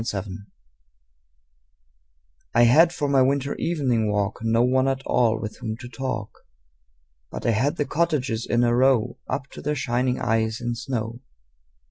Good Hours I HAD for my winter evening walk No one at all with whom to talk, But I had the cottages in a row Up to their shining eyes in snow.